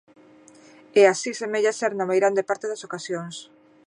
E así semella ser na meirande parte das ocasións.